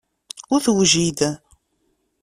Ur tewjid.